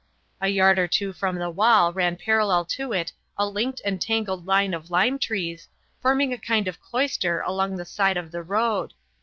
A yard or two from the wall ran parallel to it a linked and tangled line of lime trees, forming a kind of cloister along the side of the road.